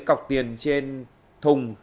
cọc tiền trên thùng